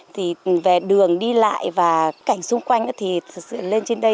thì về đường đi lại và cảnh xung quanh thì thật sự lên trên đây